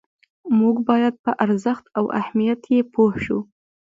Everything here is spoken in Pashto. موږ باید په ارزښت او اهمیت یې پوه شو.